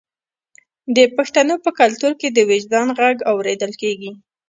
د پښتنو په کلتور کې د وجدان غږ اوریدل کیږي.